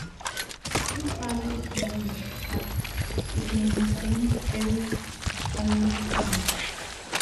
His father is unknown, but it may have been Erik Anundsson.